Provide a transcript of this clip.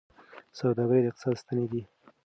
سوداګر د اقتصاد ستني دي.